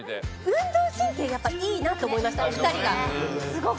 運動神経やっぱいいなと思いましたお二人がすごく。